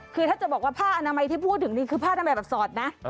คือถ้าจะบอกว่าผ้าอนามัยที่พูดถึงนี่คือผ้านามัยแบบสอดนะ